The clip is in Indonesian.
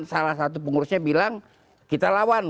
salah satu pengurusnya bilang kita lawan